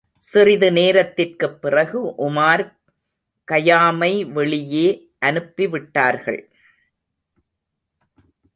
சிறிது நேரத்திற்குப் பிறகு உமார் கயாமை வெளியே அனுப்பிவிட்டார்கள்.